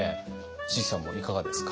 椎木さんもいかがですか？